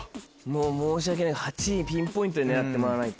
申し訳ない８位ピンポイントで狙ってもらわないと。